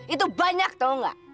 itu banyak tau gak